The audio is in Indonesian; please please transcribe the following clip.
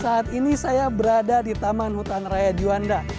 saat ini saya berada di taman hutan raya juanda